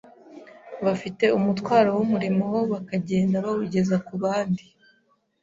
bafite umutwarow’umurimo wobakagenda bawugeza ku bandi.